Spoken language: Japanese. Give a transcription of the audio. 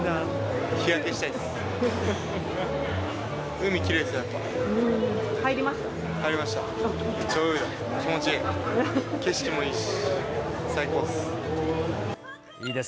日焼けしたいです。